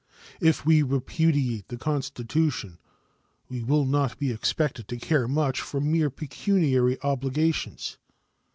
If we repudiate the Constitution, we will not be expected to care much for mere pecuniary obligations.